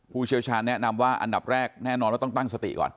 เชี่ยวชาญแนะนำว่าอันดับแรกแน่นอนว่าต้องตั้งสติก่อน